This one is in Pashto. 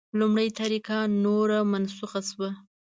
لومړۍ طریقه نوره منسوخه شوه.